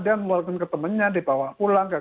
dia melakukan ketemunya dibawa pulang ke